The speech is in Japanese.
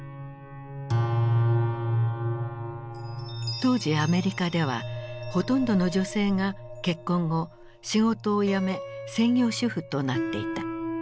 当時アメリカではほとんどの女性が結婚後仕事を辞め専業主婦となっていた。